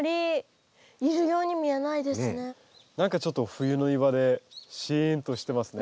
何かちょっと冬の庭でシーンとしてますね。